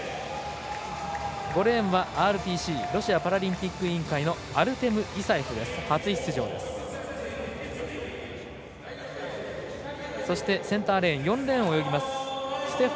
５レーンはＲＰＣ＝ロシアパラリンピック委員会のアルテム・イサエフ。